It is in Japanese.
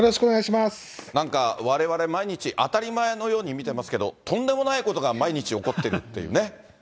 なんかわれわれ、毎日、当たり前のように見てますけど、とんでもないことが毎日起こってるっていうね。